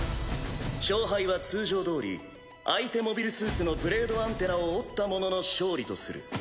勝敗は通常どおり相手モビルスーツのブレードアンテナを折った者の勝利とする。